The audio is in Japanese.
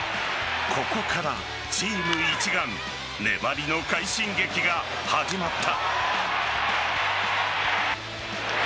ここから、チーム一丸粘りの快進撃が始まった。